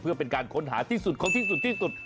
เพื่อเป็นการค้นหาที่สุดของที่สุดที่สุด